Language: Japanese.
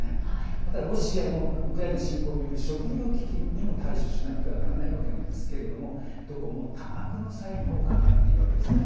またロシアのウクライナ侵攻による食糧危機にも対処しなくてはならないわけなんですけれどもどこも多額の債務を抱えているわけです。